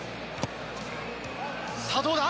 さぁどうだ？